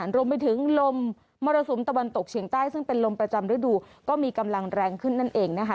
รวมไปถึงลมมรสุมตะวันตกเฉียงใต้ซึ่งเป็นลมประจำฤดูก็มีกำลังแรงขึ้นนั่นเองนะคะ